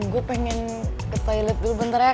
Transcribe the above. gue pengen ke toilet dulu bentar ya